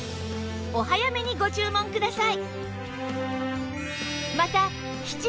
お早めにご注文ください